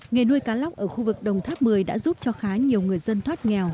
nghề nuôi cá lóc ở khu vực đồng tháp mười đã giúp cho khá nhiều người dân thoát nghèo